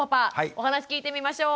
お話聞いてみましょう。